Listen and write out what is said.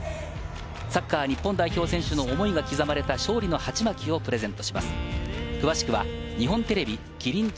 サッカー日本代表選手の思いが刻まれた勝利のハチマキをプレゼン